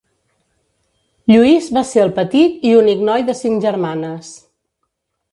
Lluís va ser el petit i únic noi de cinc germanes.